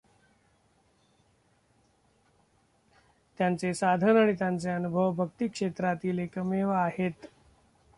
त्यांचे साधना आणि त्यांचे अनुभव भक्ती क्षेत्रातील एकमेव आहेत.